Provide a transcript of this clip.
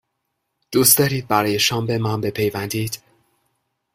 دوست دارید برای شام به من بپیوندید؟